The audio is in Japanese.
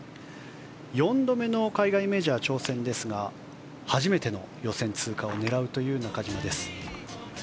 ４度目の海外メジャー挑戦ですが初めての予選通過を狙う中島。